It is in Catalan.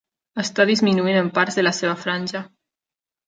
Està disminuint en parts de la seva franja.